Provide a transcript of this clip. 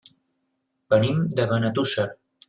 Venim de Benetússer.